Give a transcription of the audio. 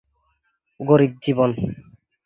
গরীব জীবন।